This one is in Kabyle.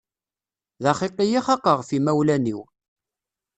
D axiqi i xaqeɣ ɣef yimawlan-iw.